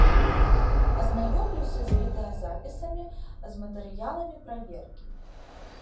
Азнаёмлюся з відэазапісамі, з матэрыяламі праверкі.